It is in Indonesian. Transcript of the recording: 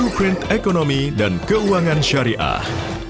blue print ekonomi dan keuangan syariah